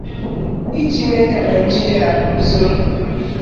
iji mee ka Nigeria guzoro